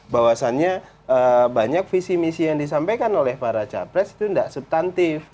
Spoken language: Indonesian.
bahwasannya banyak visi misi yang disampaikan oleh para capres itu tidak subtantif